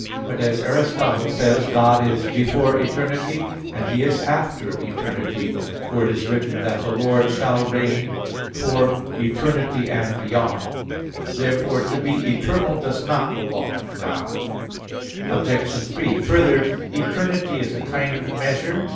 But, as Aristotle says (De Causis), "God is before eternity and He is after eternity": for it is written that "the Lord shall reign for eternity, and beyond [*Douay: 'for ever and ever']" (Ex. 15:18). Therefore to be eternal does not belong to God. Obj. 3: Further, eternity is a kind of measure.